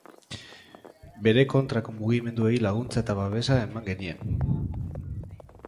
Bere kontrako mugimenduei laguntza eta babesa eman genien.